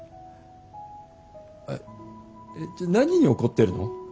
えっじゃあ何に怒ってるの？